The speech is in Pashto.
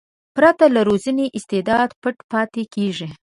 پرته له روزنې استعداد پټ پاتې کېږي.